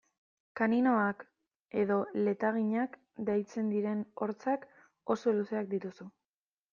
Kaninoak edo letaginak deitzen diren hortzak oso luzeak dituzu.